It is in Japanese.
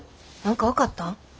何か分かったん？